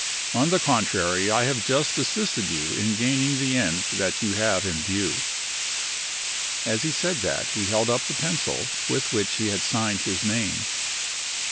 On the contrary, I have just assisted you in gaining the end that you have in view." As he said that he held up the pencil with which he had signed his name.